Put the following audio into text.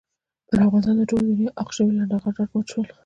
پر افغانستان د ټولې دنیا عاق شوي لنډه غر را مات شول.